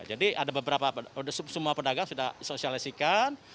jadi ada beberapa semua pedagang sudah disosialisikan